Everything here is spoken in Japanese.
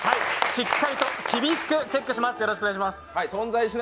しっかりと厳しく存在します。